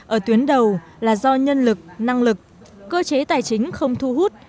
ở tuyến đầu là do nhân lực năng lực cơ chế tài chính không thu hút